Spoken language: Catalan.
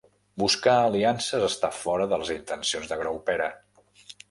Buscar aliances està fora de les intencions de Graupera